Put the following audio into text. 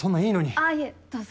あいえどうぞ。